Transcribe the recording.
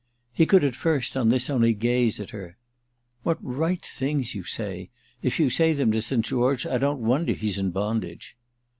He could at first, on this, only gaze at her. "What right things you say! If you say them to St. George I don't wonder he's in bondage."